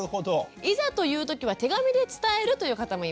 いざという時は手紙で伝えるという方もいました。